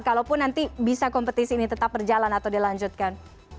kalaupun nanti bisa kompetisi ini tetap berjalan atau dilanjutkan